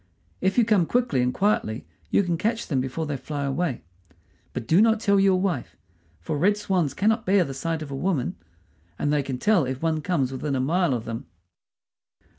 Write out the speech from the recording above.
If you come quickly and quietly you can catch them before they fly away; but do not tell your wife, for red swans cannot bear the sight of a woman, and they can tell if one comes within a mile of them."